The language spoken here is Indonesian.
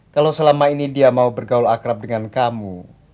kalau selama ini dia mau bergaul akrab dengan kamu